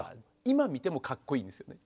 今見てもかっこいいんですよね。